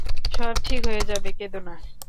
সব ঠিক হয়ে যাবে কেদো না।